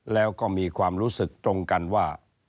แล้วก็มีความรู้สึกตรงกันว่า